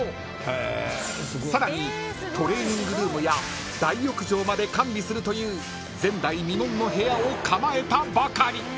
［さらにトレーニングルームや大浴場まで完備するという前代未聞の部屋を構えたばかり］